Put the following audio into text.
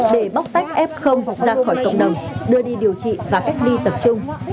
để bóc tách f ra khỏi cộng đồng đưa đi điều trị và cách ly tập trung